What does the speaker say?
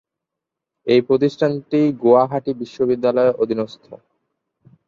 এই প্রতিষ্ঠানটি গুয়াহাটি বিশ্ববিদ্যালয়ের অধীনস্থ।